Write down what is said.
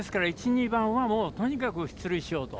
１番、２番はとにかく出塁しようと。